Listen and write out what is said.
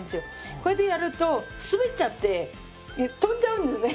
こうやってやると滑っちゃって飛んじゃうんですね。